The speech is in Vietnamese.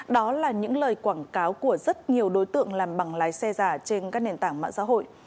đó là những lời quảng cáo của rất nhiều đối tượng làm bằng lái xe giả trên các nền tảng mạng xã hội